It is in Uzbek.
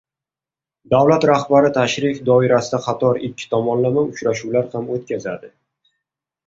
Davlat rahbari tashrif doirasida qator ikki tomonlama uchrashuvlar ham o‘tkazadi